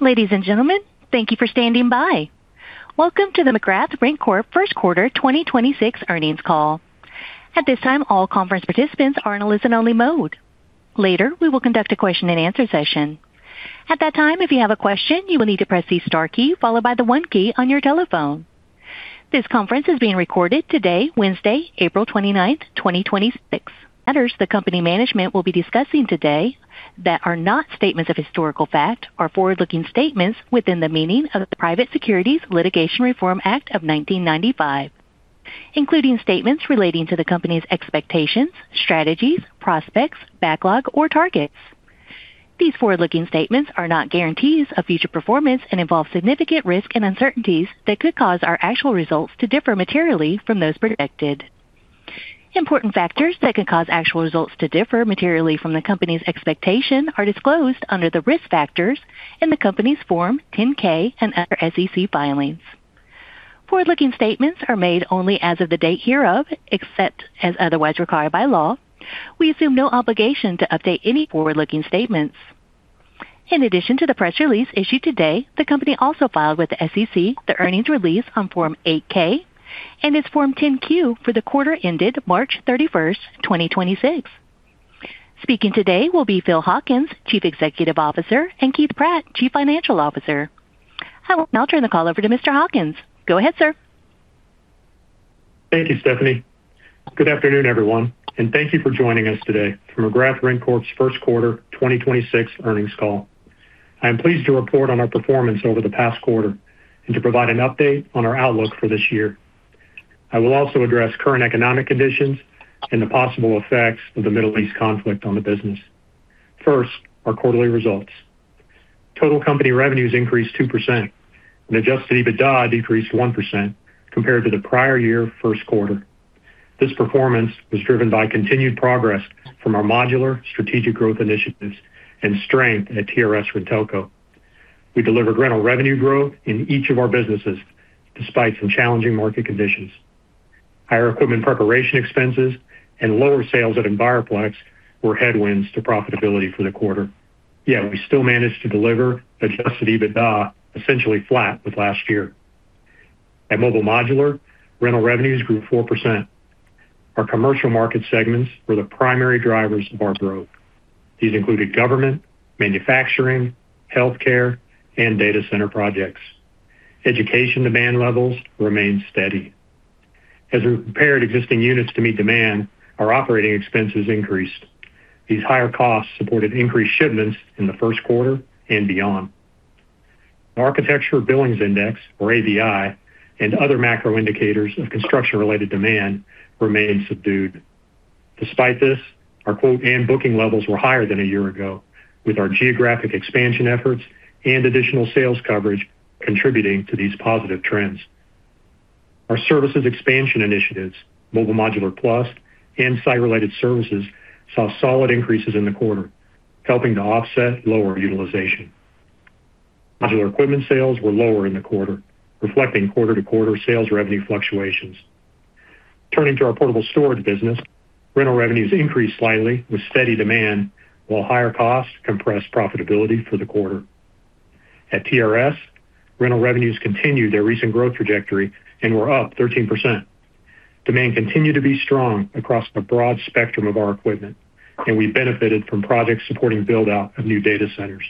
Ladies and gentlemen, thank you for standing by. Welcome to the McGrath RentCorp First Quarter 2026 earnings call. At this time, all conference participants are in a listen-only mode. Later, we will conduct a question and answer session. At that time, if you have a question, you will need to press the star key followed by the one key on your telephone. This conference is being recorded today, Wednesday, April 29th, 2026. Matters the company management will be discussing today that are not statements of historical fact are forward-looking statements within the meaning of the Private Securities Litigation Reform Act of 1995, including statements relating to the company's expectations, strategies, prospects, backlog, or targets. These forward-looking statements are not guarantees of future performance and involve significant risk and uncertainties that could cause our actual results to differ materially from those predicted. Important factors that could cause actual results to differ materially from the company's expectation are disclosed under the Risk Factors in the company's Form 10-K and other SEC filings. Forward-looking statements are made only as of the date hereof, except as otherwise required by law. We assume no obligation to update any forward-looking statements. In addition to the press release issued today, the company also filed with the SEC the earnings release on Form 8-K and its Form 10-Q for the quarter ended March 31st, 2026. Speaking today will be Phil Hawkins, Chief Executive Officer, and Keith Pratt, Chief Financial Officer. I will now turn the call over to Mr. Hawkins. Go ahead, sir. Thank you, Stephanie. Good afternoon, everyone, and thank you for joining us today for McGrath RentCorp's first quarter 2026 earnings call. I am pleased to report on our performance over the past quarter and to provide an update on our outlook for this year. I will also address current economic conditions and the possible effects of the Middle East conflict on the business. First, our quarterly results. Total company revenues increased 2% and adjusted EBITDA decreased 1% compared to the prior year first quarter. This performance was driven by continued progress from our modular strategic growth initiatives and strength at TRS-RenTelco. We delivered rental revenue growth in each of our businesses despite some challenging market conditions. Higher equipment preparation expenses and lower sales at Enviroplex were headwinds to profitability for the quarter. We still managed to deliver adjusted EBITDA essentially flat with last year. At Mobile Modular, rental revenues grew 4%. Our commercial market segments were the primary drivers of our growth. These included government, manufacturing, healthcare, and data center projects. Education demand levels remained steady. As we prepared existing units to meet demand, our operating expenses increased. These higher costs supported increased shipments in the 1st quarter and beyond. Architecture Billings Index, or ABI, and other macro indicators of construction-related demand remained subdued. Despite this, our quote and booking levels were higher than a year ago, with our geographic expansion efforts and additional sales coverage contributing to these positive trends. Our services expansion initiatives, Mobile Modular Plus and Site Related Services, saw solid increases in the quarter, helping to offset lower utilization. Modular equipment sales were lower in the quarter, reflecting quarter-to-quarter sales revenue fluctuations. Turning to our portable storage business, rental revenues increased slightly with steady demand, while higher costs compressed profitability for the quarter. At TRS, rental revenues continued their recent growth trajectory and were up 13%. Demand continued to be strong across the broad spectrum of our equipment, and we benefited from projects supporting build-out of new data centers.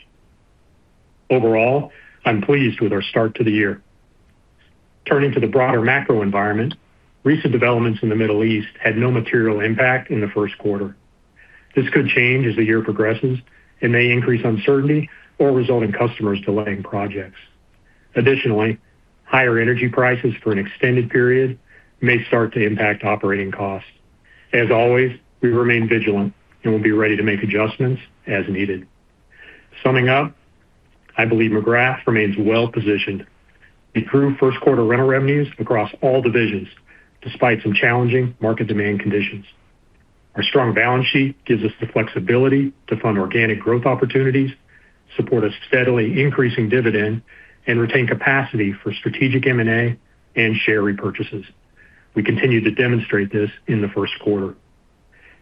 Overall, I'm pleased with our start to the year. Turning to the broader macro environment, recent developments in the Middle East had no material impact in the first quarter. This could change as the year progresses and may increase uncertainty or result in customers delaying projects. Additionally, higher energy prices for an extended period may start to impact operating costs. As always, we remain vigilant and will be ready to make adjustments as needed. Summing up, I believe McGrath remains well-positioned. We grew first quarter rental revenues across all divisions despite some challenging market demand conditions. Our strong balance sheet gives us the flexibility to fund organic growth opportunities, support a steadily increasing dividend, and retain capacity for strategic M&A and share repurchases. We continue to demonstrate this in the first quarter.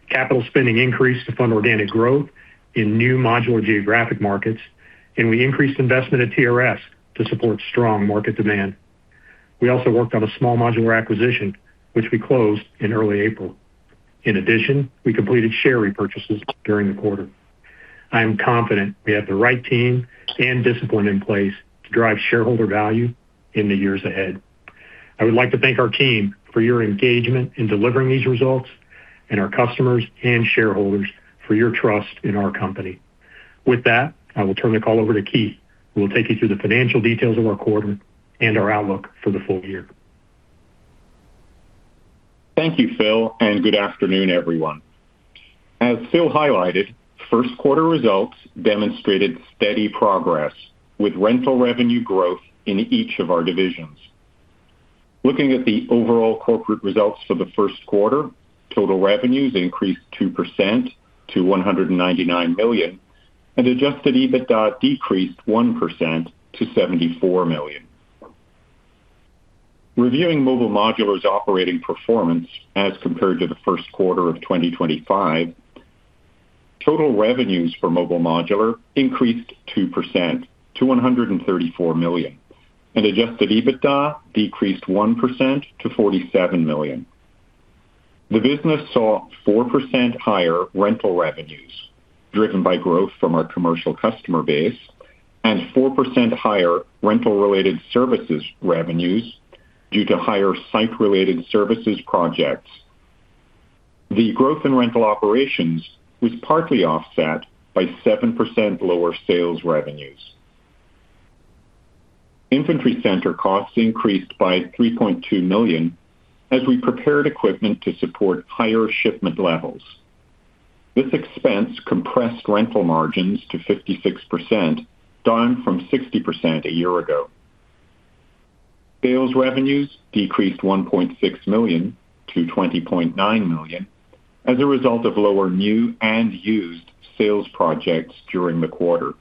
Capital spending increased to fund organic growth in new modular geographic markets, and we increased investment at TRS to support strong market demand. We also worked on one small modular acquisition, which we closed in early April. In addition, we completed share repurchases during the quarter. I am confident we have the right team and discipline in place to drive shareholder value in the years ahead. I would like to thank our team for your engagement in delivering these results and our customers and shareholders for your trust in our company. I will turn the call over to Keith, who will take you through the financial details of our quarter and our outlook for the full year. Thank you, Phil, and good afternoon, everyone. As Phil highlighted, first quarter results demonstrated steady progress with rental revenue growth in each of our divisions. Looking at the overall corporate results for the first quarter, total revenues increased 2% to $199 million, and adjusted EBITDA decreased 1% to $74 million. Reviewing Mobile Modular's operating performance as compared to the first quarter of 2025, total revenues for Mobile Modular increased 2% to $134 million, and adjusted EBITDA decreased 1% to $47 million. The business saw 4% higher rental revenues, driven by growth from our commercial customer base, and 4% higher rental-related services revenues due to higher Site Related Services projects. The growth in rental operations was partly offset by 7% lower sales revenues. Inventory center costs increased by $3.2 million as we prepared equipment to support higher shipment levels. This expense compressed rental margins to 56%, down from 60% a year ago. Sales revenues decreased $1.6 million to $20.9 million as a result of lower new and used sales projects during the quarter.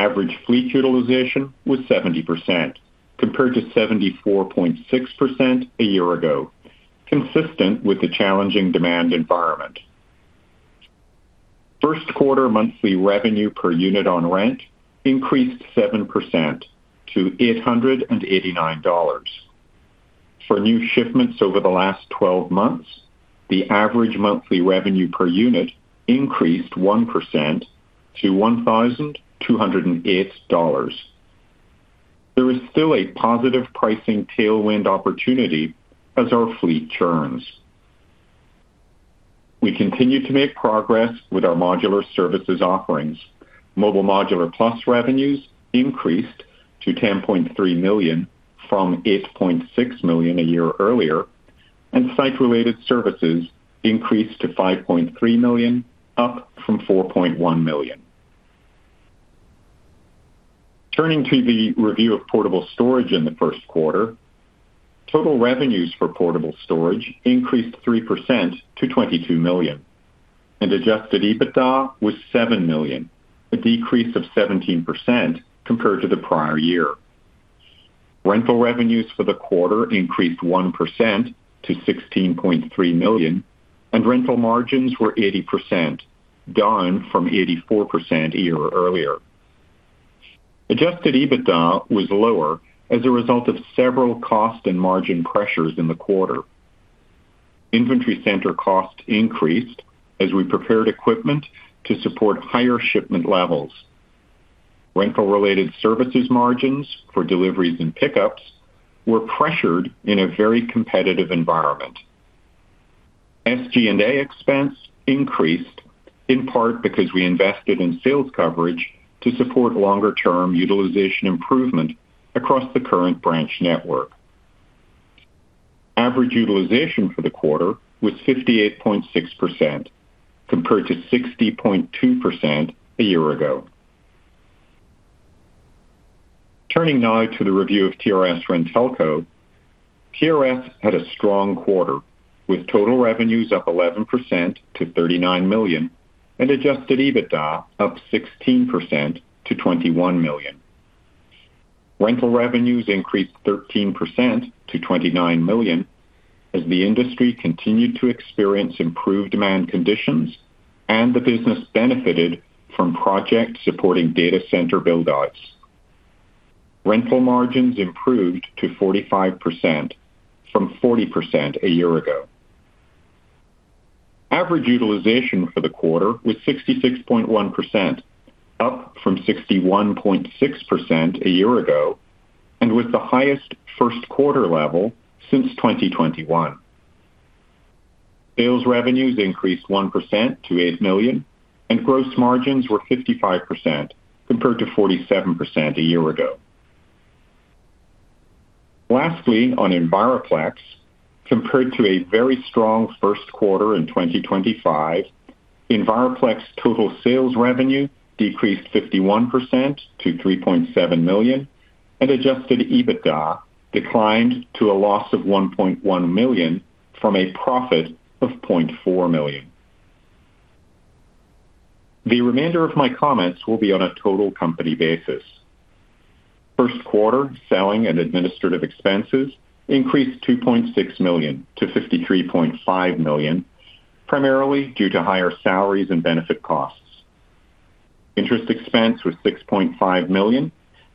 Average fleet utilization was 70% compared to 74.6% a year ago, consistent with the challenging demand environment. First quarter monthly revenue per unit on rent increased 7% to $889. For new shipments over the last 12 months, the average monthly revenue per unit increased 1% to $1,208. There is still a positive pricing tailwind opportunity as our fleet turns. We continue to make progress with our modular services offerings. Mobile Modular Plus revenues increased to $10.3 million from $8.6 million a year earlier. Site Related Services increased to $5.3 million, up from $4.1 million. Turning to the review of portable storage in the first quarter. Total revenues for portable storage increased 3% to $22 million, and adjusted EBITDA was $7 million, a decrease of 17% compared to the prior year. Rental revenues for the quarter increased 1% to $16.3 million, and rental margins were 80%, down from 84% a year earlier. Adjusted EBITDA was lower as a result of several cost and margin pressures in the quarter. Inventory center costs increased as we prepared equipment to support higher shipment levels. Rental-related services margins for deliveries and pickups were pressured in a very competitive environment. SG&A expense increased, in part because we invested in sales coverage to support longer-term utilization improvement across the current branch network. Average utilization for the quarter was 58.6% compared to 60.2% a year ago. Turning now to the review of TRS-RenTelco. TRS had a strong quarter, with total revenues up 11% to $39 million and adjusted EBITDA up 16% to $21 million. Rental revenues increased 13% to $29 million as the industry continued to experience improved demand conditions and the business benefited from projects supporting data center build-outs. Rental margins improved to 45% from 40% a year ago. Average utilization for the quarter was 66.1%, up from 61.6% a year ago and was the highest first quarter level since 2021. Sales revenues increased 1% to $8 million, and gross margins were 55% compared to 47% a year ago. Lastly, on Enviroplex, compared to a very strong first quarter in 2025, Enviroplex total sales revenue decreased 51% to $3.7 million, and adjusted EBITDA declined to a loss of $1.1 million from a profit of $0.4 million. The remainder of my comments will be on a total company basis. First quarter selling and administrative expenses increased $2.6 million to $53.5 million, primarily due to higher salaries and benefit costs. Interest expense was $6.5 million,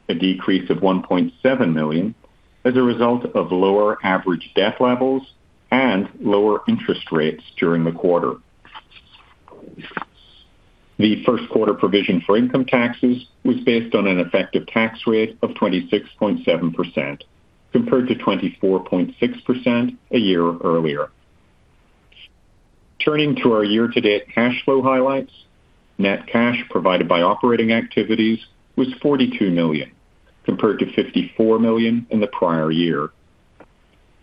a decrease of $1.7 million as a result of lower average debt levels and lower interest rates during the quarter. The first quarter provision for income taxes was based on an effective tax rate of 26.7% compared to 24.6% a year earlier. Turning to our year-to-date cash flow highlights. Net cash provided by operating activities was $42 million compared to $54 million in the prior year.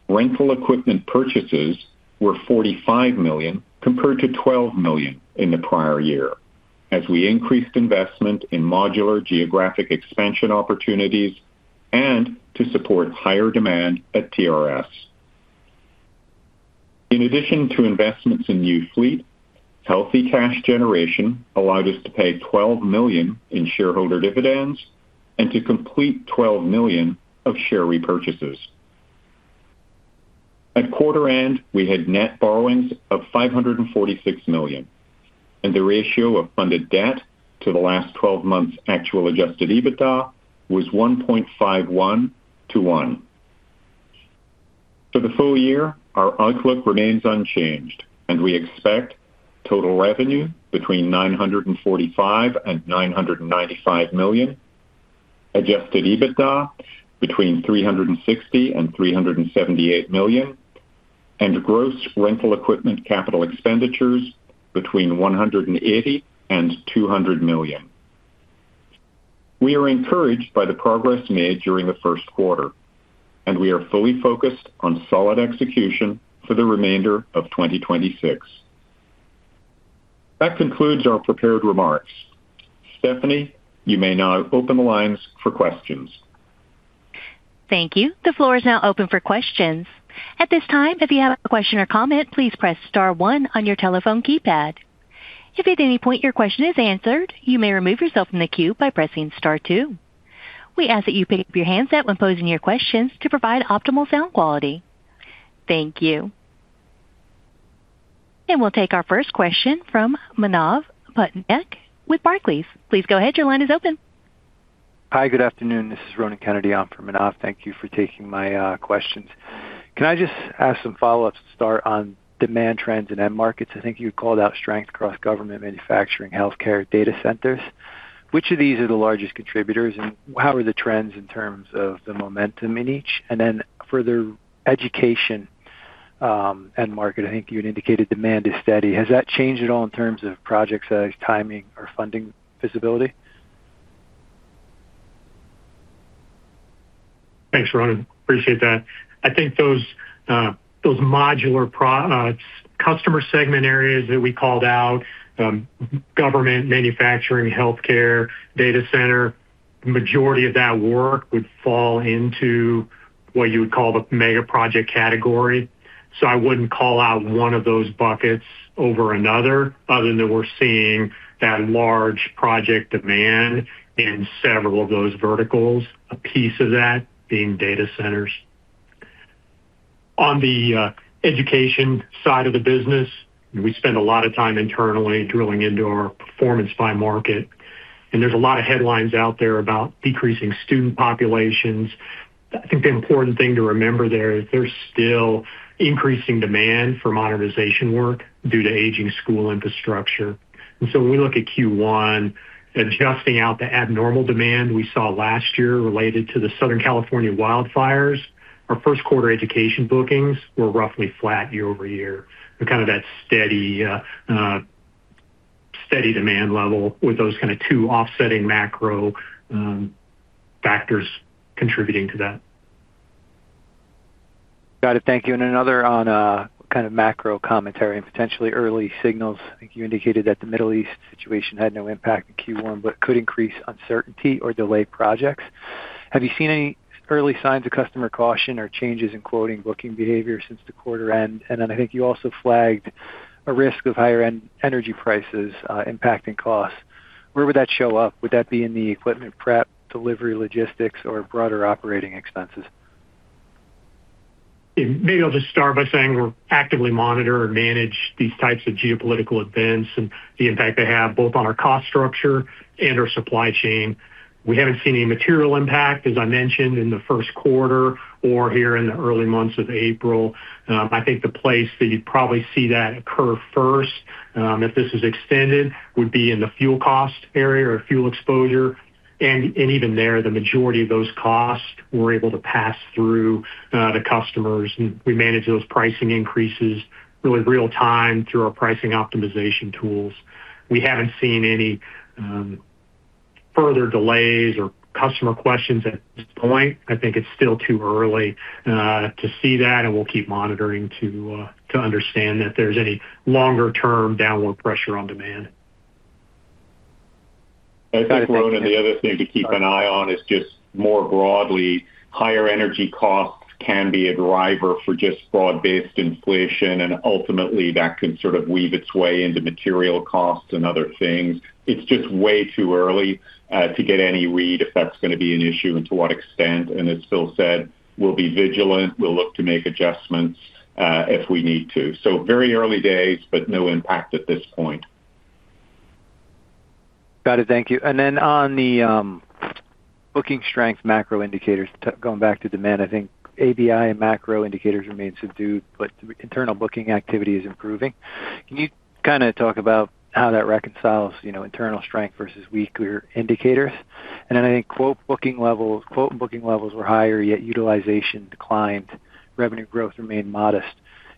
Rental equipment purchases were $45 million compared to $12 million in the prior year as we increased investment in modular geographic expansion opportunities and to support higher demand at TRS. In addition to investments in new fleet, healthy cash generation allowed us to pay $12 million in shareholder dividends and to complete $12 million of share repurchases. At quarter end, we had net borrowings of $546 million, and the ratio of funded debt to the last 12 months actual adjusted EBITDA was 1.51 to 1. For the full year, our outlook remains unchanged, and we expect total revenue between $945 million and $995 million, adjusted EBITDA between $360 million and $378 million, and gross rental equipment capital expenditures between $180 million and $200 million. We are encouraged by the progress made during the first quarter, and we are fully focused on solid execution for the remainder of 2026. That concludes our prepared remarks. Stephanie, you may now open the lines for questions. Thank you. The floor is now open for questions. At this time, if you have a question or comment, please press star one on your telephone keypad. If at any point your question is answered, you may remove yourself from the queue by pressing star two. We ask that you pick up your handset when posing your questions to provide optimal sound quality. Thank you. We'll take our first question from Manav Patnaik with Barclays. Please go ahead. Your line is open. Hi, good afternoon. This is Ronan Kennedy on for Manav. Thank you for taking my questions. Can I just ask some follow-ups to start on demand trends in end markets? I think you called out strength across government, manufacturing, healthcare, data centers. Which of these are the largest contributors, and how are the trends in terms of the momentum in each? For the education end market, I think you had indicated demand is steady. Has that changed at all in terms of project size, timing, or funding visibility? Thanks, Ronan. Appreciate that. I think those Mobile Modular Plus customer segment areas that we called out, government, manufacturing, healthcare, data center, the majority of that work would fall into what you would call the mega project category. I wouldn't call out one of those buckets over another, other than that we're seeing that large project demand in several of those verticals, a piece of that being data centers. On the education side of the business, we spend a lot of time internally drilling into our performance by market, and there's a lot of headlines out there about decreasing student populations. I think the important thing to remember there is there's still increasing demand for modernization work due to aging school infrastructure. When we look at Q1, adjusting out the abnormal demand we saw last year related to the Southern California wildfires, our first quarter education bookings were roughly flat year-over-year, kind of that steady demand level with those kind of two offsetting macro factors contributing to that. Got it. Thank you. Another on, kind of macro commentary and potentially early signals. I think you indicated that the Middle East situation had no impact in Q1, but could increase uncertainty or delay projects. Have you seen any early signs of customer caution or changes in quoting booking behavior since the quarter end? Then I think you also flagged a risk of higher end energy prices impacting costs. Where would that show up? Would that be in the equipment prep, delivery logistics, or broader operating expenses? Maybe I'll just start by saying we actively monitor and manage these types of geopolitical events and the impact they have both on our cost structure and our supply chain. We haven't seen any material impact, as I mentioned, in the first quarter or here in the early months of April. I think the place that you'd probably see that occur first, if this is extended, would be in the fuel cost area or fuel exposure. Even there, the majority of those costs we're able to pass through the customers. We manage those pricing increases really real time through our pricing optimization tools. We haven't seen any further delays or customer questions at this point. I think it's still too early to see that, and we'll keep monitoring to understand if there's any longer term downward pressure on demand. I think, Ronan, the other thing to keep an eye on is just more broadly, higher energy costs can be a driver for just broad-based inflation, ultimately that can sort of weave its way into material costs and other things. It's just way too early to get any read if that's gonna be an issue and to what extent. As Phil said, we'll be vigilant. We'll look to make adjustments, if we need to. Very early days, but no impact at this point. Got it. Thank you. On the booking strength macro indicators, going back to demand, I think ABI and macro indicators remain subdued, but internal booking activity is improving. Can you kind of talk about how that reconciles, you know, internal strength versus weaker indicators? I think quote booking levels were higher, yet utilization declined, revenue growth remained modest.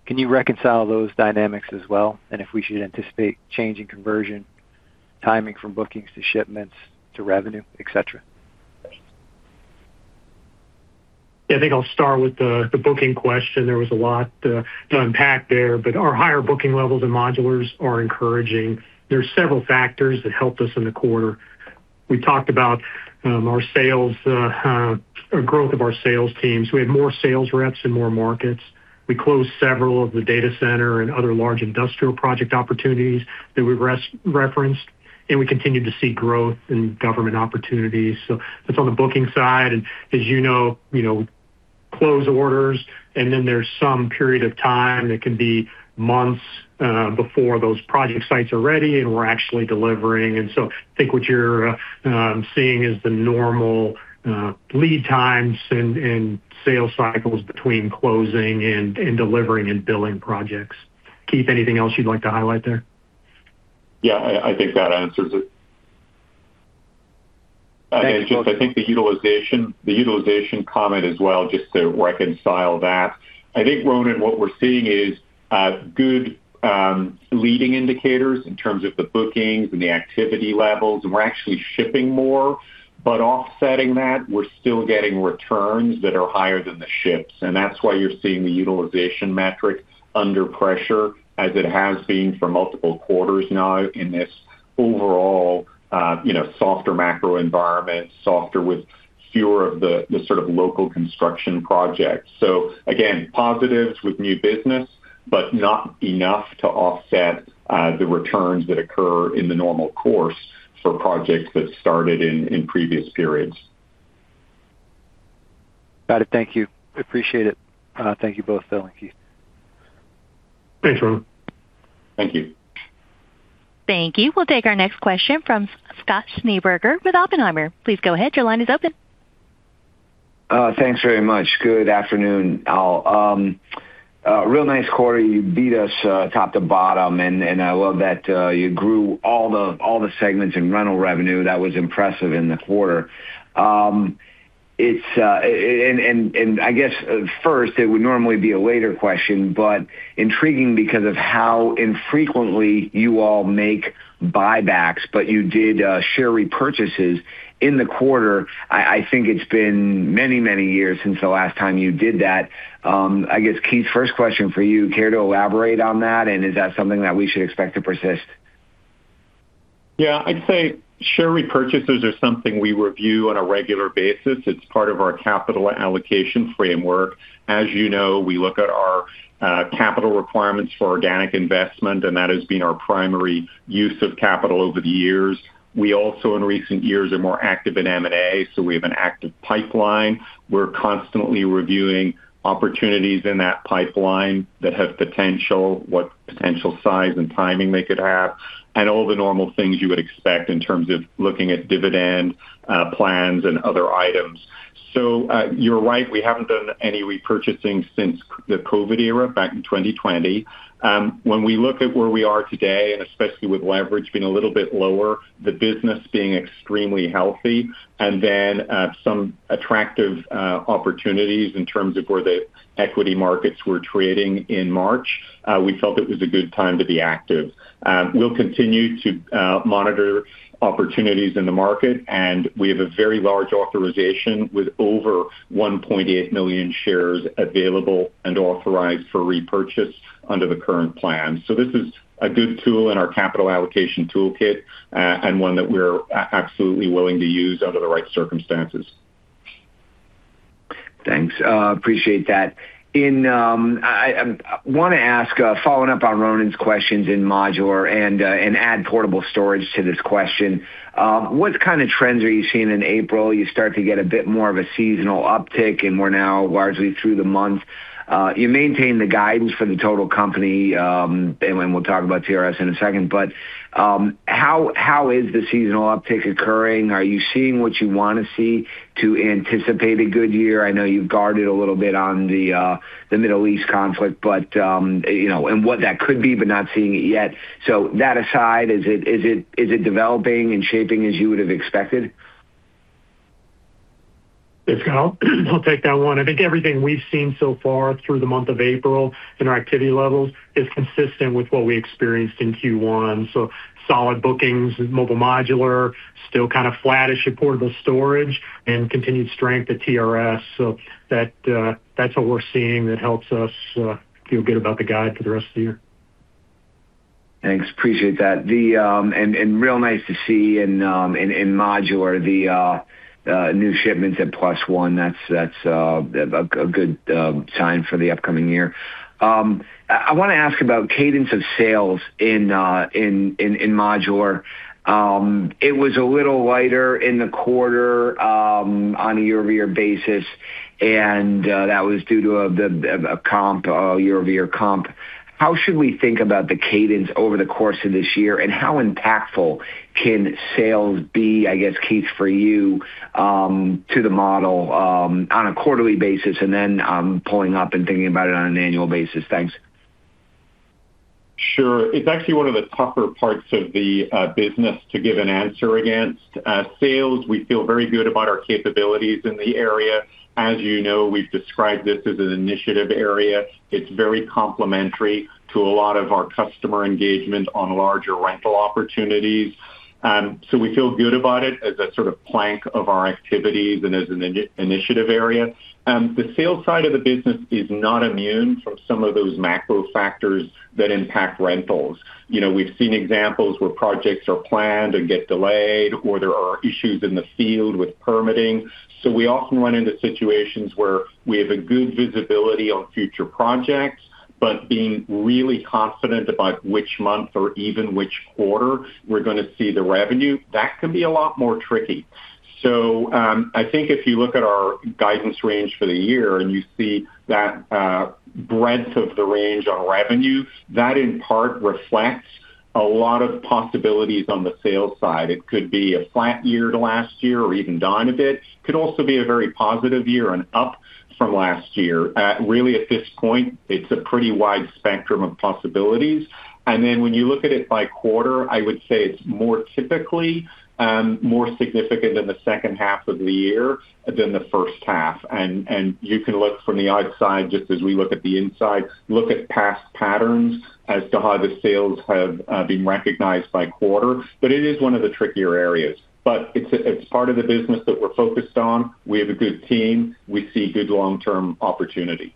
Can you reconcile those dynamics as well? If we should anticipate change in conversion timing from bookings to shipments to revenue, et cetera. I think I'll start with the booking question. There was a lot to unpack there. Our higher booking levels in modulars are encouraging. There are several factors that helped us in the quarter. We talked about our growth of our sales teams. We had more sales reps in more markets. We closed several of the data center and other large industrial project opportunities that we referenced, and we continued to see growth in government opportunities. That's on the booking side. As you know, close orders, then there's some period of time that can be months before those project sites are ready and we're actually delivering. I think what you're seeing is the normal lead times and sales cycles between closing and delivering and billing projects. Keith, anything else you'd like to highlight there? Yeah, I think that answers it. Thanks. Just I think the utilization comment as well, just to reconcile that. I think, Ronan, what we're seeing is good leading indicators in terms of the bookings and the activity levels, and we're actually shipping more. Offsetting that, we're still getting returns that are higher than the ships, and that's why you're seeing the utilization metric under pressure as it has been for multiple quarters now in this overall, you know, softer macro environment, softer with fewer of the sort of local construction projects. Again, positives with new business, but not enough to offset the returns that occur in the normal course for projects that started in previous periods. Got it. Thank you. Appreciate it. Thank you both, Phil and Keith. Thanks, Ronan. Thank you. Thank you. We'll take our next question from Scott Schneeberger with Oppenheimer. Please go ahead. Thanks very much. Good afternoon, all. Real nice quarter. You beat us top to bottom, and I love that you grew all the segments in rental revenue. That was impressive in the quarter. I guess, first it would normally be a later question, but intriguing because of how infrequently you all make buybacks, but you did share repurchases in the quarter. I think it's been many years since the last time you did that. I guess, Keith, first question for you, care to elaborate on that? Is that something that we should expect to persist? Yeah. I'd say share repurchases are something we review on a regular basis. It's part of our capital allocation framework. As you know, we look at our capital requirements for organic investment. That has been our primary use of capital over the years. We also, in recent years, are more active in M&A. We have an active pipeline. We're constantly reviewing opportunities in that pipeline that have potential, what potential size and timing they could have. All the normal things you would expect in terms of looking at dividend plans and other items. You're right, we haven't done any repurchasing since the COVID era back in 2020. When we look at where we are today, and especially with leverage being a little bit lower, the business being extremely healthy, and then, some attractive opportunities in terms of where the equity markets were trading in March, we felt it was a good time to be active. We'll continue to monitor opportunities in the market, and we have a very large authorization with over 1.8 million shares available and authorized for repurchase under the current plan. This is a good tool in our capital allocation toolkit, and one that we're absolutely willing to use under the right circumstances. Thanks. Appreciate that. I wanna ask, following up on Ronan's questions in modular and add portable storage to this question, what kind of trends are you seeing in April? You start to get a bit more of a seasonal uptick, we're now largely through the month. You maintain the guidance for the total company, we'll talk about TRS in a second. How is the seasonal uptick occurring? Are you seeing what you wanna see to anticipate a good year? I know you've guarded a little bit on the Middle East conflict, you know, what that could be, not seeing it yet. That aside, is it developing and shaping as you would have expected? Yes. I'll take that one. I think everything we've seen so far through the month of April in our activity levels is consistent with what we experienced in Q1. Solid bookings with Mobile Modular, still kind of flattish in portable storage, and continued strength at TRS. That's what we're seeing that helps us feel good about the guide for the rest of the year. Thanks. Appreciate that. The real nice to see in modular the new shipments at +1. That's a good sign for the upcoming year. I want to ask about cadence of sales in modular. It was a little lighter in the quarter on a year-over-year basis, and that was due to a comp year-over-year comp. How should we think about the cadence over the course of this year, and how impactful can sales be, I guess, Keith, for you, to the model on a quarterly basis and then pulling up and thinking about it on an annual basis? Thanks. Sure. It's actually one of the tougher parts of the business to give an answer against. Sales, we feel very good about our capabilities in the area. As you know, we've described this as an initiative area. It's very complementary to a lot of our customer engagement on larger rental opportunities. We feel good about it as a sort of plank of our activities and as an initiative area. The sales side of the business is not immune from some of those macro factors that impact rentals. You know, we've seen examples where projects are planned and get delayed, or there are issues in the field with permitting. We often run into situations where we have a good visibility on future projects, but being really confident about which month or even which quarter we're gonna see the revenue, that can be a lot more tricky. I think if you look at our guidance range for the year and you see that breadth of the range on revenue, that in part reflects a lot of possibilities on the sales side. It could be a flat year to last year or even down a bit. Could also be a very positive year and up from last year. Really at this point, it's a pretty wide spectrum of possibilities. When you look at it by quarter, I would say it's more typically more significant in the second half of the year than the first half. You can look from the outside just as we look at the inside, look at past patterns as to how the sales have been recognized by quarter. It is one of the trickier areas. It's part of the business that we're focused on. We have a good team. We see good long-term opportunity.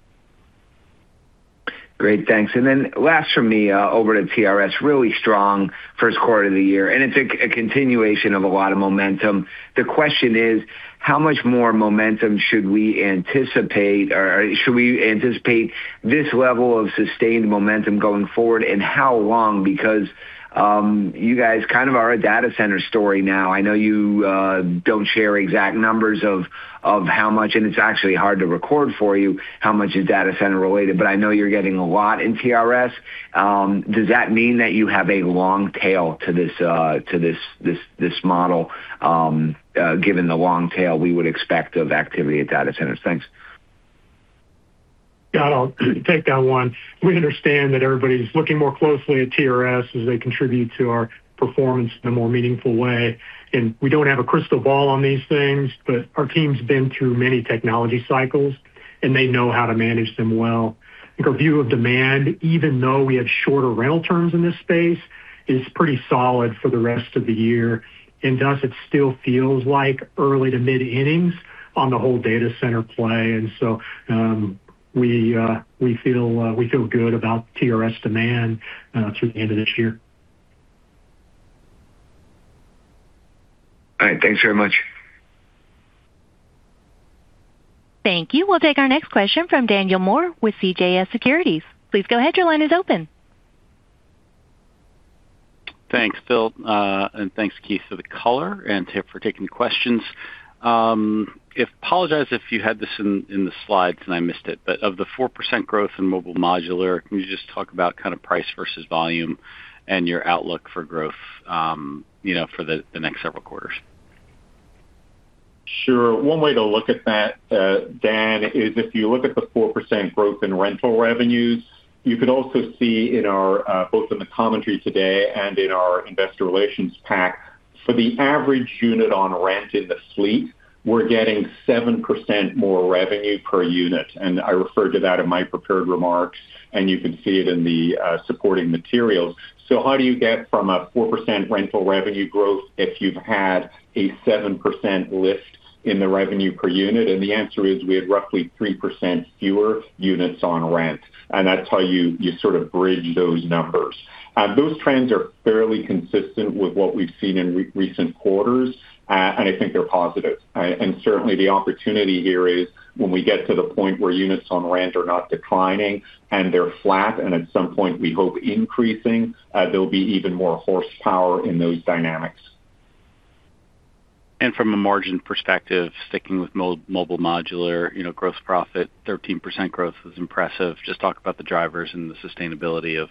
Great. Thanks. Then last from me, over to TRS. Really strong first quarter of the year, and it's a continuation of a lot of momentum. The question is: How much more momentum should we anticipate? Or should we anticipate this level of sustained momentum going forward, and how long? Because you guys kind of are a data center story now. I know you don't share exact numbers of how much, and it's actually hard to record for you how much is data center related, but I know you're getting a lot in TRS. Does that mean that you have a long tail to this model given the long tail we would expect of activity at data centers? Thanks. Yeah, I'll take that one. We understand that everybody's looking more closely at TRS as they contribute to our performance in a more meaningful way. We don't have a crystal ball on these things, but our team's been through many technology cycles, and they know how to manage them well. Like, our view of demand, even though we have shorter rental terms in this space, is pretty solid for the rest of the year. Thus, it still feels like early to mid-innings on the whole data center play. We feel good about TRS demand through the end of this year. All right. Thanks very much. Thank you. We'll take our next question from Daniel Moore with CJS Securities. Please go ahead. Your line is open. Thanks, Phil. Thanks, Keith, for the color and Tiff for taking questions. Apologize if you had this in the slides and I missed it. Of the 4% growth in Mobile Modular, can you just talk about kind of price versus volume and your outlook for growth, you know, for the next several quarters? Sure. One way to look at that, Daniel Moore, is if you look at the 4% growth in rental revenues, you can also see in our, both in the commentary today and in our investor relations pack, for the average unit on rent in the fleet, we're getting 7% more revenue per unit, and I referred to that in my prepared remarks, and you can see it in the supporting materials. How do you get from a 4% rental revenue growth if you've had a 7% lift in the revenue per unit? The answer is we had roughly 3% fewer units on rent. That's how you sort of bridge those numbers. Those trends are fairly consistent with what we've seen in recent quarters, and I think they're positive. Certainly the opportunity here is when we get to the point where units on rent are not declining and they're flat, and at some point we hope increasing, there'll be even more horsepower in those dynamics. From a margin perspective, sticking with Mobile Modular, you know, gross profit, 13% growth is impressive. Just talk about the drivers and the sustainability of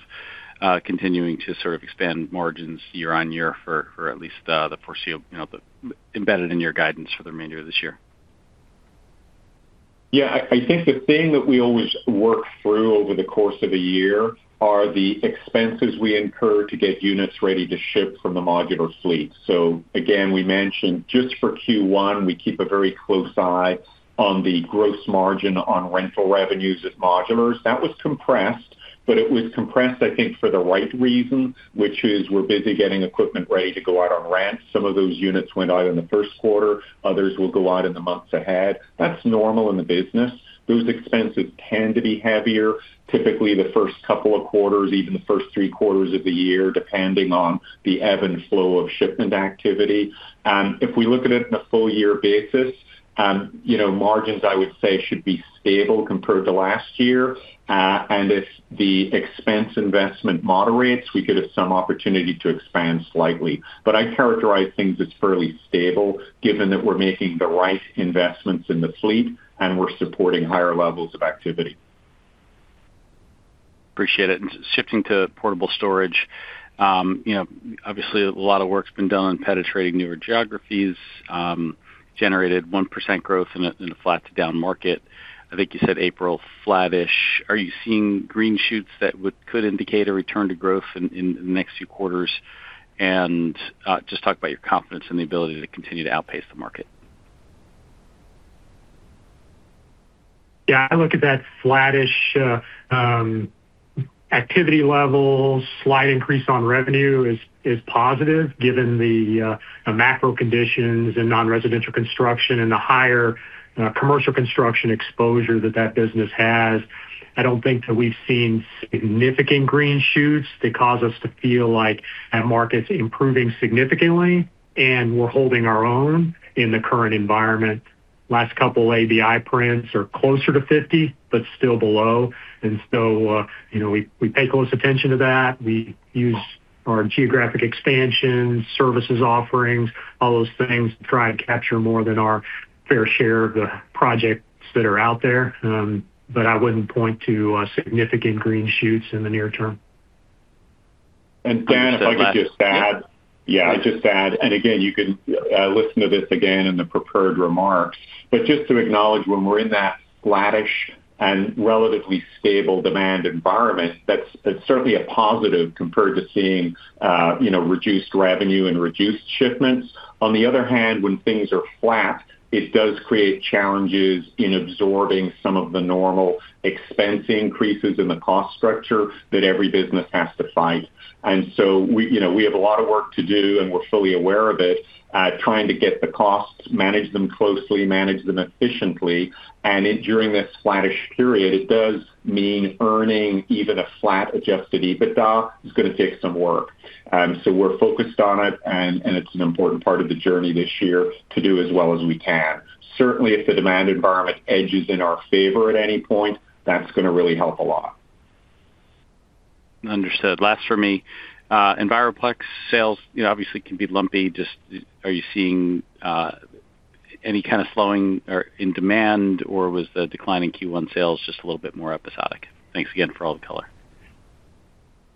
continuing to sort of expand margins year-on-year for at least the foreseeable, you know, the embedded in your guidance for the remainder of this year. I think the thing that we always work through over the course of one year are the expenses we incur to get units ready to ship from the modular fleet. Again, we mentioned just for Q1, we keep a very close eye on the gross margin on rental revenues at modulars. That was compressed, it was compressed, I think, for the right reason, which is we're busy getting equipment ready to go out on rent. Some of those units went out in the first quarter, others will go out in the months ahead. That's normal in the business. Those expenses tend to be heavier, typically the 1st couple of quarters, even the first three quarters of the year, depending on the ebb and flow of shipment activity. If we look at it in a full year basis, you know, margins, I would say, should be stable compared to last year. If the expense investment moderates, we could have some opportunity to expand slightly. I characterize things as fairly stable, given that we're making the right investments in the fleet, and we're supporting higher levels of activity. Appreciate it. Shifting to portable storage, you know, obviously, a lot of work's been done penetrating newer geographies, generated 1% growth in a, in a flat to down market. I think you said April flattish. Are you seeing green shoots that could indicate a return to growth in the next few quarters? Just talk about your confidence in the ability to continue to outpace the market? Yeah. I look at that flattish activity levels, slight increase on revenue is positive given the macro conditions in non-residential construction and the higher commercial construction exposure that that business has. I don't think that we've seen significant green shoots that cause us to feel like that market's improving significantly, and we're holding our own in the current environment. Last couple ABI prints are closer to 50, but still below. You know, we pay close attention to that. We use our geographic expansion, services offerings, all those things to try and capture more than our fair share of the projects that are out there. I wouldn't point to significant green shoots in the near term. Daniel, if I could just add. Yeah. Just add, and again, you can listen to this again in the prepared remarks. Just to acknowledge when we're in that flattish and relatively stable demand environment, that's certainly a positive compared to seeing, you know, reduced revenue and reduced shipments. On the other hand, when things are flat, it does create challenges in absorbing some of the normal expense increases in the cost structure that every business has to fight. We, you know, we have a lot of work to do, and we're fully aware of it, trying to get the costs, manage them closely, manage them efficiently. In during this flattish period, it does mean earning even a flat adjusted EBITDA is gonna take some work. We're focused on it and it's an important part of the journey this year to do as well as we can. Certainly, if the demand environment edges in our favor at any point, that's gonna really help a lot. Understood. Last for me. Enviroplex sales, you know, obviously can be lumpy. Are you seeing any kind of slowing or in demand, or was the decline in Q1 sales just a little bit more episodic? Thanks again for all the color.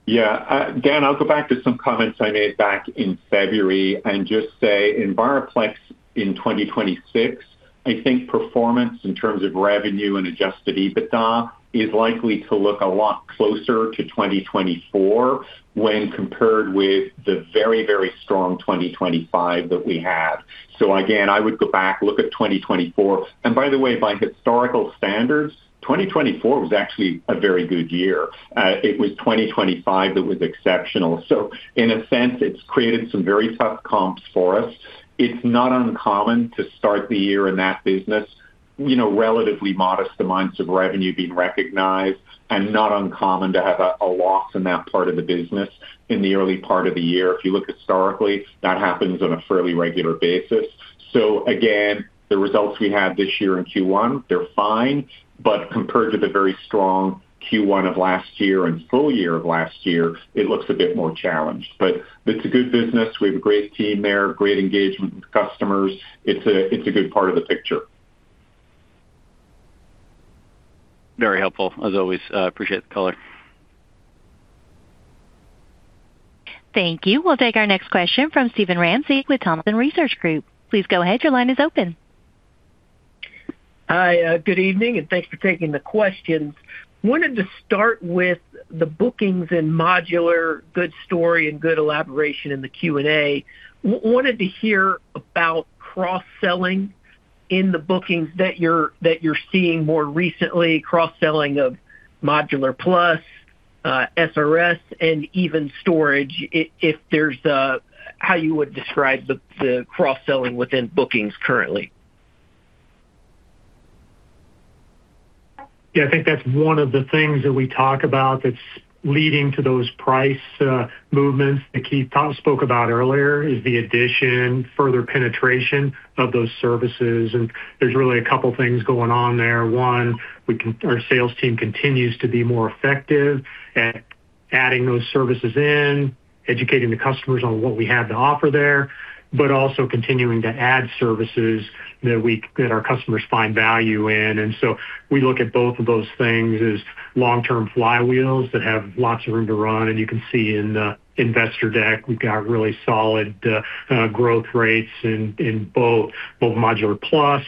Yeah. Dan, I'll go back to some comments I made back in February and just say Enviroplex in 2026, I think performance in terms of revenue and adjusted EBITDA is likely to look a lot closer to 2024 when compared with the very, very strong 2025 that we had. Again, I would go back, look at 2024. By the way, by historical standards, 2024 was actually a very good year. It was 2025 that was exceptional. In a sense, it's created some very tough comps for us. It's not uncommon to start the year in that business, you know, relatively modest amounts of revenue being recognized and not uncommon to have a loss in that part of the business in the early part of the year. If you look historically, that happens on a fairly regular basis. Again, the results we had this year in Q1, they're fine, but compared to the very strong Q1 of last year and full year of last year, it looks a bit more challenged. It's a good business. We have a great team there, great engagement with customers. It's a good part of the picture. Very helpful. As always, appreciate the color. Thank you. We'll take our next question from Steven Ramsey with Thompson Research Group. Please go ahead. Your line is open. Hi, good evening, and thanks for taking the questions. Wanted to start with the bookings in modular. Good story and good elaboration in the Q&A. Wanted to hear about cross-selling in the bookings that you're seeing more recently, cross-selling of Mobile Modular Plus, SRS, and even storage. If there's how you would describe the cross-selling within bookings currently. I think that's one of the things that we talk about that's leading to those price movements that Keith spoke about earlier, is the addition, further penetration of those services. There's really a couple things going on there. One, our sales team continues to be more effective at adding those services in, educating the customers on what we have to offer there, but also continuing to add services that our customers find value in. We look at both of those things as long-term flywheels that have lots of room to run. You can see in the investor deck, we've got really solid growth rates in both Mobile Modular Plus,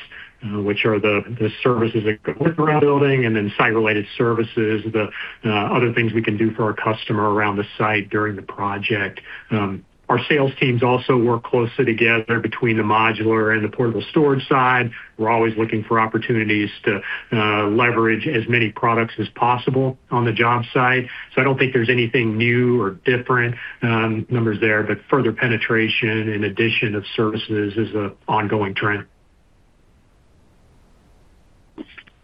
which are the services that we're building, and then Site Related Services, the other things we can do for our customer around the site during the project. Our sales teams also work closely together between the Mobile Modular and the portable storage side. We're always looking for opportunities to leverage as many products as possible on the job site. I don't think there's anything new or different numbers there, but further penetration and addition of services is a ongoing trend.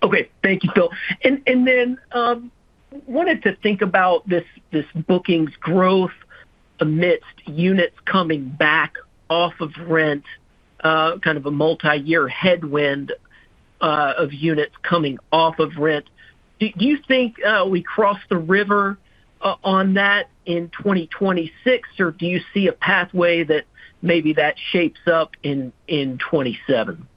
Okay. Thank you, Phil. Wanted to think about this bookings growth amidst units coming back off of rent, kind of a multiyear headwind of units coming off of rent. Do you think we crossed the river on that in 2026, or do you see a pathway that maybe that shapes up in 2027?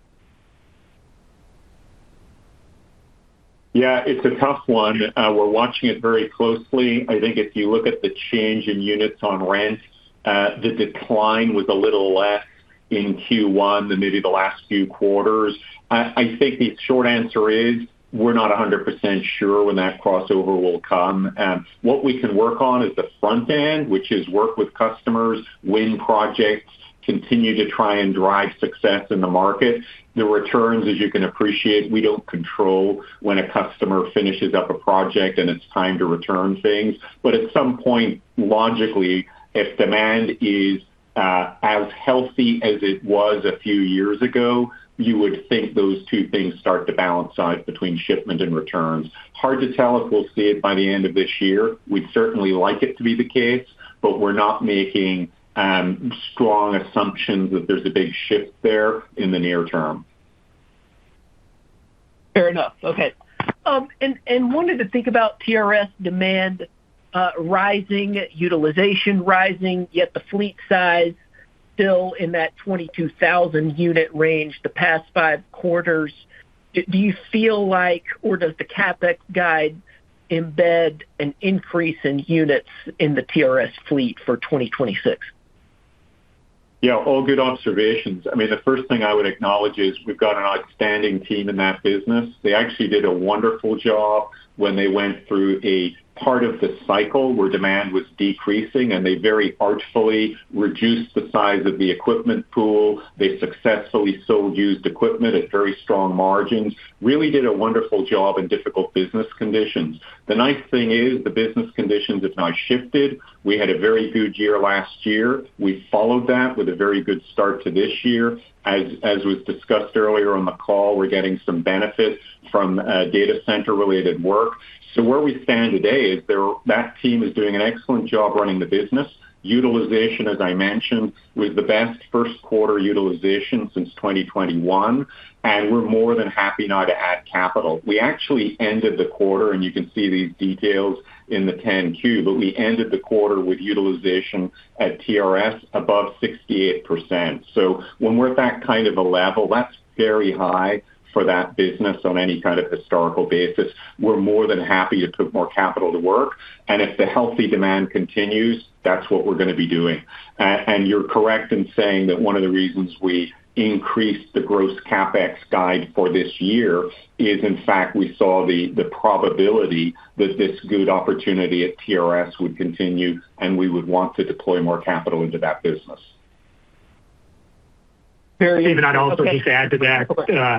Yeah. It's a tough one. We're watching it very closely. I think if you look at the change in units on rent, the decline was a little less in Q1 than maybe the last few quarters. I think the short answer is we're not 100% sure when that crossover will come. What we can work on is the front end, which is work with customers, win projects, continue to try and drive success in the market. The returns, as you can appreciate, we don't control when a customer finishes up a project and it's time to return things. At some point, logically, if demand is as healthy as it was a few years ago, you would think those two things start to balance out between shipment and returns. Hard to tell if we'll see it by the end of this year. We'd certainly like it to be the case, but we're not making strong assumptions that there's a big shift there in the near term. Fair enough. Okay. Wanted to think about TRS demand, rising, utilization rising, yet the fleet size still in that 22,000 unit range the past five quarters. Do you feel like or does the CapEx guide embed an increase in units in the TRS fleet for 2026? Yeah. All good observations. I mean, the first thing I would acknowledge is we've got an outstanding team in that business. They actually did a wonderful job when they went through a part of the cycle where demand was decreasing, and they very artfully reduced the size of the equipment pool. They successfully sold used equipment at very strong margins. Really did a wonderful job in difficult business conditions. The nice thing is the business conditions have now shifted. We had a very good year last year. We followed that with a very good start to this year. As was discussed earlier on the call, we're getting some benefit from data center-related work. Where we stand today is that team is doing an excellent job running the business. Utilization, as I mentioned, was the best first quarter utilization since 2021. We're more than happy now to add capital. We actually ended the quarter. You can see these details in the Form 10-Q, but we ended the quarter with utilization at TRS above 68%. When we're at that kind of a level, that's very high for that business on any kind of historical basis. We're more than happy to put more capital to work. If the healthy demand continues, that's what we're gonna be doing. You're correct in saying that one of the reasons we increased the gross CapEx guide for this year is, in fact, we saw the probability that this good opportunity at TRS would continue. We would want to deploy more capital into that business. Steven, I'd also just add to that,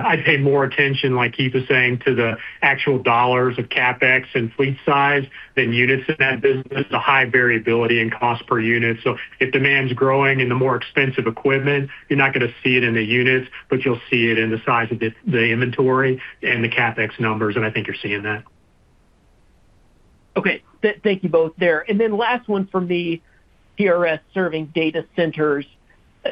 I pay more attention, like Keith was saying, to the actual dollars of CapEx and fleet size than units in that business. There's a high variability in cost per unit. If demand's growing in the more expensive equipment, you're not gonna see it in the units, but you'll see it in the size of the inventory and the CapEx numbers, and I think you're seeing that. Okay. Thank you both there. Then last one from the TRS serving data centers.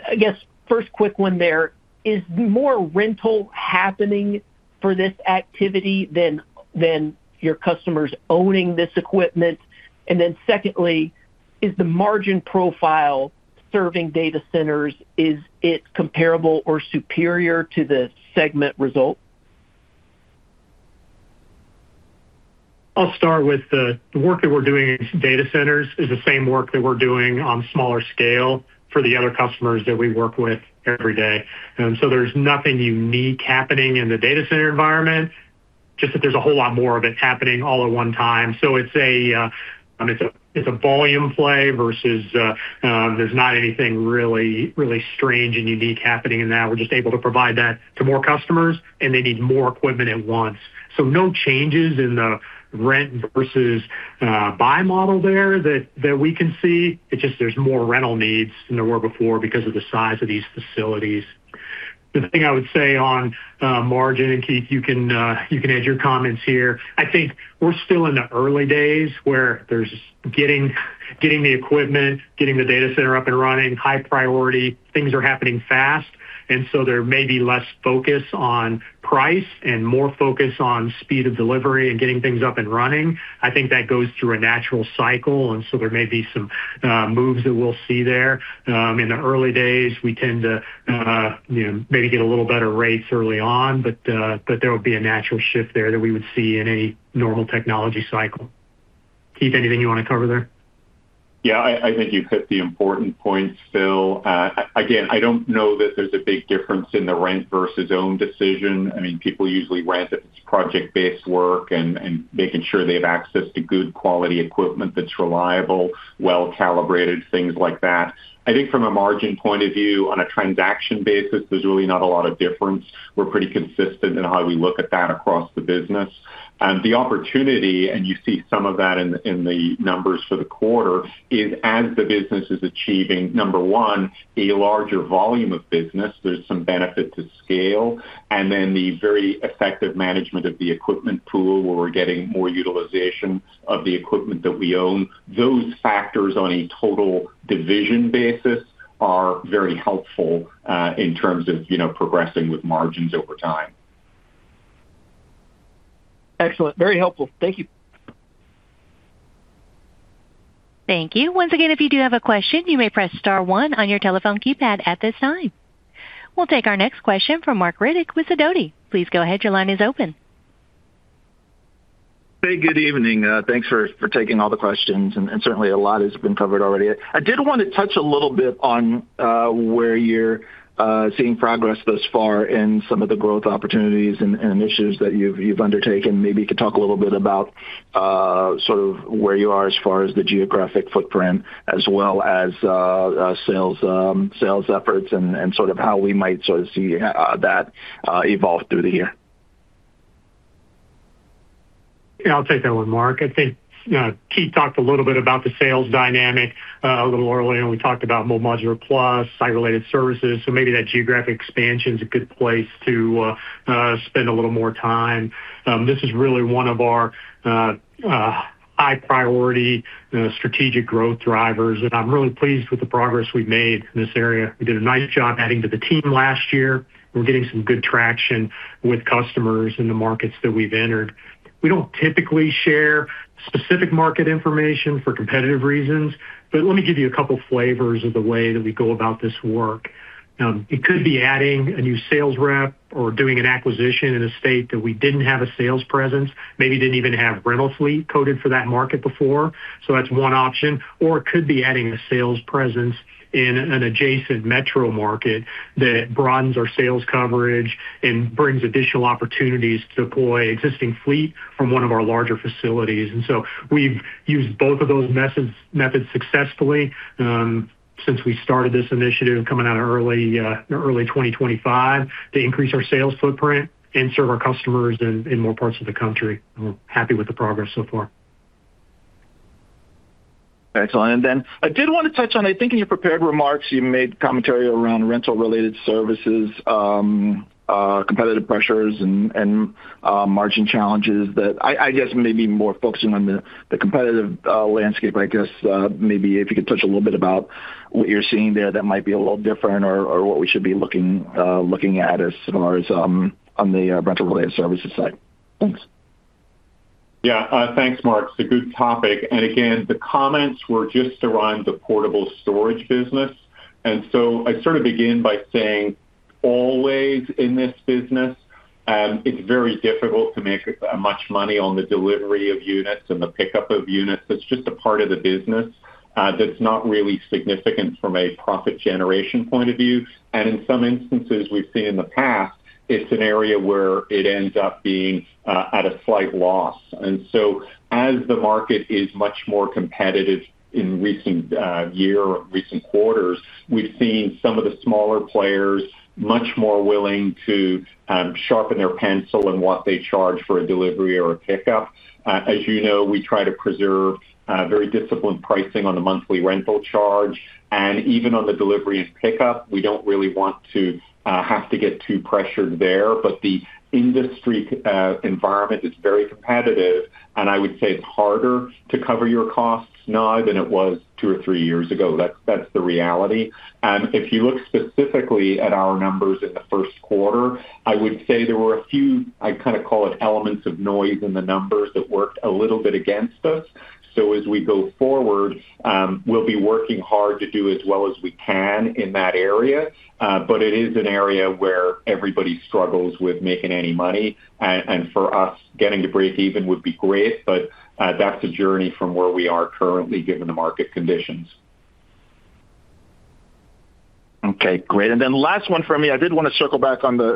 I guess first quick one there, is more rental happening for this activity than your customers owning this equipment? Then secondly, is the margin profile serving data centers, is it comparable or superior to the segment result? I'll start with the work that we're doing in data centers is the same work that we're doing on smaller scale for the other customers that we work with every day. There's nothing unique happening in the data center environment, just that there's a whole lot more of it happening all at one time. I mean, it's a volume play versus there's not anything really, really strange and unique happening in that. We're just able to provide that to more customers, and they need more equipment at once. No changes in the rent versus buy model there that we can see. It's just there's more rental needs than there were before because of the size of these facilities. The thing I would say on margin, and Keith, you can add your comments here. I think we're still in the early days where there's getting the equipment, getting the data center up and running, high priority. Things are happening fast, and so there may be less focus on price and more focus on speed of delivery and getting things up and running. I think that goes through a natural cycle, and so there may be some moves that we'll see there. In the early days, we tend to, you know, maybe get a little better rates early on, but there will be a natural shift there that we would see in any normal technology cycle. Keith, anything you wanna cover there? I think you've hit the important points, Phil. Again, I don't know that there's a big difference in the rent versus own decision. I mean, people usually rent if it's project-based work and making sure they have access to good quality equipment that's reliable, well-calibrated, things like that. I think from a margin point of view on a transaction basis, there's really not a lot of difference. We're pretty consistent in how we look at that across the business. The opportunity, and you see some of that in the numbers for the quarter, is as the business is achieving, number one, a larger volume of business, there's some benefit to scale, and then the very effective management of the equipment pool where we're getting more utilization of the equipment that we own. Those factors on a total division basis are very helpful, in terms of, you know, progressing with margins over time. Excellent. Very helpful. Thank you. Thank you. Once again, if you do have a question, you may press star one on your telephone keypad at this time. We'll take our next question from Marc Riddick with Sidoti. Please go ahead. Hey, good evening. Thanks for taking all the questions, and certainly a lot has been covered already. I did wanna touch a little bit on where you're seeing progress thus far and some of the growth opportunities and issues that you've undertaken. Maybe you could talk a little bit about sort of where you are as far as the geographic footprint as well as sales efforts and sort of how we might sort of see that evolve through the year? Yeah, I'll take that one, Marc Riddick. I think Keith talked a little bit about the sales dynamic a little earlier, and we talked about Mobile Modular Plus, Site Related Services. Maybe that geographic expansion's a good place to spend a little more time. This is really one of our high priority strategic growth drivers, and I'm really pleased with the progress we've made in this area. We did a nice job adding to the team last year. We're getting some good traction with customers in the markets that we've entered. We don't typically share specific market information for competitive reasons, but let me give you a couple flavors of the way that we go about this work. It could be adding a new sales rep or doing an acquisition in a state that we didn't have a sales presence, maybe didn't even have rental fleet coded for that market before, so that's one option. Or it could be adding a sales presence in an adjacent metro market that broadens our sales coverage and brings additional opportunities to deploy existing fleet from one of our larger facilities. We've used both of those methods successfully since we started this initiative coming out early 2025 to increase our sales footprint and serve our customers in more parts of the country. We're happy with the progress so far. Excellent. I did wanna touch on, I think in your prepared remarks, you made commentary around rental-related services, competitive pressures and margin challenges that I guess maybe more focusing on the competitive landscape, I guess. Maybe if you could touch a little bit about what you're seeing there that might be a little different or what we should be looking at as far as on the rental-related services side. Thanks. Yeah. Thanks, Marc. It's a good topic. Again, the comments were just around the portable storage business. I sort of begin by saying always in this business, it's very difficult to make much money on the delivery of units and the pickup of units. That's just a part of the business that's not really significant from a profit generation point of view. In some instances we've seen in the past. It's an area where it ends up being at a slight loss. As the market is much more competitive in recent year or recent quarters, we've seen some of the smaller players much more willing to sharpen their pencil in what they charge for a delivery or a pickup. As you know, we try to preserve very disciplined pricing on the monthly rental charge. Even on the delivery and pickup, we don't really want to have to get too pressured there. The industry environment is very competitive, and I would say it's harder to cover your costs now than it was two or three years ago. That's the reality. If you look specifically at our numbers in the first quarter, I would say there were a few, I kind of call it elements of noise in the numbers that worked a little bit against us. As we go forward, we'll be working hard to do as well as we can in that area. It is an area where everybody struggles with making any money. For us, getting to breakeven would be great, but that's a journey from where we are currently given the market conditions. Okay, great. Last one for me. I did wanna circle back on the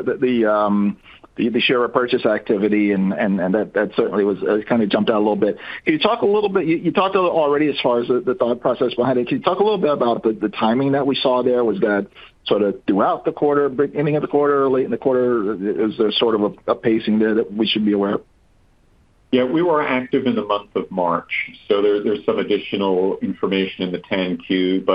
share repurchase activity and that certainly was kind of jumped out a little bit. You talked a little already as far as the thought process behind it. Can you talk a little bit about the timing that we saw there? Was that sort of throughout the quarter, beginning of the quarter, late in the quarter? Is there sort of a pacing there that we should be aware of? Yeah. We were active in the month of March. There's some additional information in the 10-Q.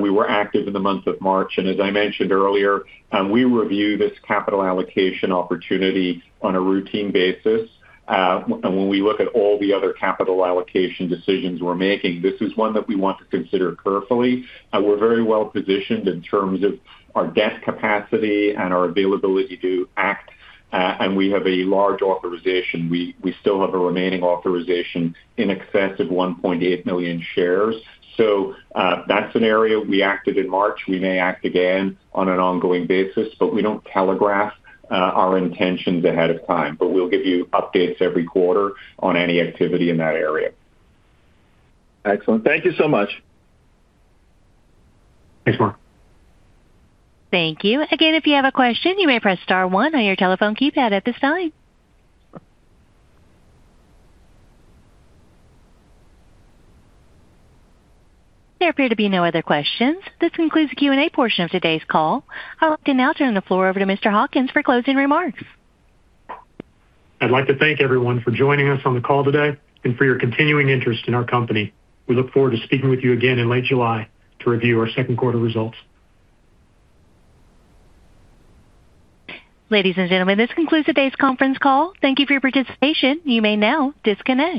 We were active in the month of March, and as I mentioned earlier, we review this capital allocation opportunity on a routine basis. When we look at all the other capital allocation decisions we're making, this is one that we want to consider carefully. We're very well-positioned in terms of our debt capacity and our availability to act, and we have a large authorization. We still have a remaining authorization in excess of 1.8 million shares. That's an area we acted in March. We may act again on an ongoing basis, but we don't telegraph our intentions ahead of time. We'll give you updates every quarter on any activity in that area. Excellent. Thank you so much. Thanks, Marc. Thank you. Again, if you have a question, you may press star one on your telephone keypad at this time. There appear to be no other questions. This concludes the Q&A portion of today's call. I would now turn the floor over to Mr. Hawkins for closing remarks. I'd like to thank everyone for joining us on the call today and for your continuing interest in our company. We look forward to speaking with you again in late July to review our second quarter results. Ladies and gentlemen, this concludes today's conference call. Thank you for your participation. You may now disconnect.